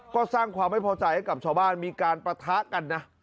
ก็สร้างความไม่พอใจให้กับชาวบ้านมีการปะทะกันนะ